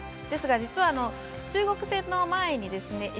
ですが実は中国戦の前にですね